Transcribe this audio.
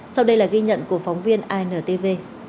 sau đây là ghi nhận của phóng viên intv